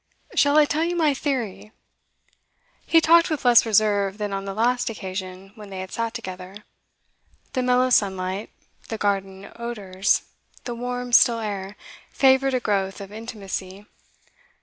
'Shall I tell you my theory?' He talked with less reserve than on the last occasion when they had sat together. The mellow sunlight, the garden odours, the warm, still air, favoured a growth of intimacy.